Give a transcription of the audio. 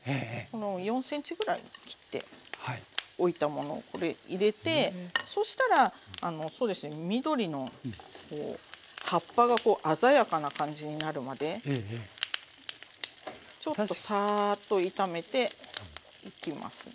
この４ｃｍくらい切っておいたものこれ入れてそしたらそうですね緑の葉っぱが鮮やかな感じになるまでちょっとサーッと炒めていきますね。